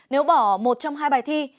nếu bỏ một trong hai bài thi